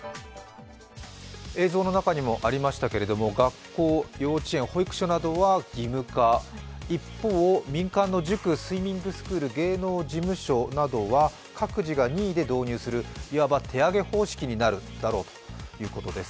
映像の中にもありましたけれども、学校、幼稚園、保育所などは義務化、一方、民間の塾、スイミングスクール芸能事務所などは、各自が任意で導入するいわば手挙げ方式になるだろうということです。